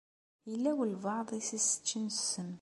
Yella walebɛaḍ i s-iseččen ssem.